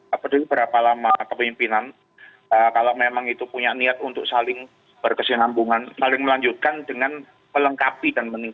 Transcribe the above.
peduli berapa lama kepimpinan kalau memang itu punya niat untuk saling berkesinambungan saling melanjutkan dengan melengkapi dan menilai